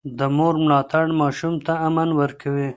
د مور ملاتړ ماشوم ته امن ورکوي.